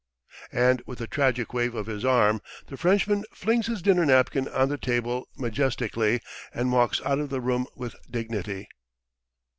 And with a tragic wave of his arm the Frenchman flings his dinner napkin on the table majestically, and walks out of the room with dignity.